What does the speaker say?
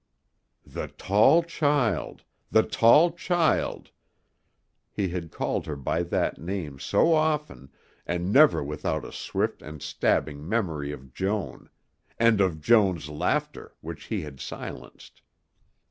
"The tall child ... the tall child ..." he had called her by that name so often and never without a swift and stabbing memory of Joan, and of Joan's laughter which he had silenced.